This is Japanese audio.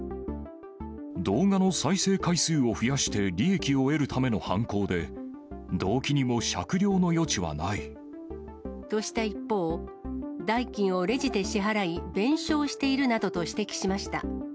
動画の再生回数を増やして利益を得るための犯行で、とした一方、代金をレジで支払い、弁償しているなどと指摘しました。